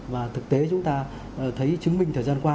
và thực tế chúng ta thấy chứng minh thời gian qua